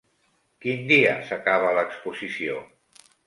Quin dia s'acaba l'exposició?